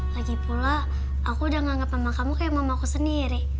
lagipula aku udah nganggep mama kamu kayak mamaku sendiri